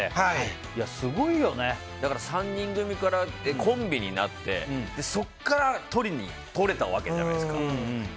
３人組からコンビになってそこからとれたわけじゃないですか。